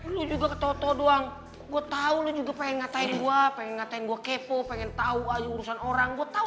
gue tahu juga pengen ngatain gua pengen ngatain gua kepo pengen tahu aja urusan orang gue tahu